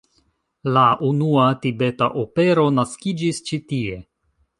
La unua tibeta opero naskiĝis ĉi tie.